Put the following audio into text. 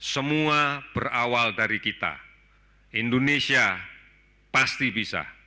semua berawal dari kita indonesia pasti bisa